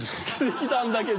できたんだけど。